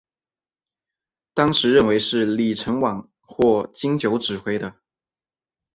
当时认为是李承晚或金九指挥的。